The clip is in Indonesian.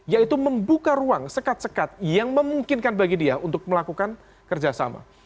yaitu membuka ruang sekat sekat yang memungkinkan bagi dia untuk melakukan kerjasama